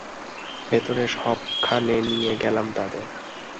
ভেতরে সবখানে নিয়ে গেলাম তাদের।